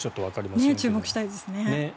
注目したいですね。